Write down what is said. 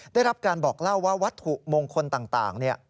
ได้รับการบอกเล่าว่าวัตถุมงคลต่าง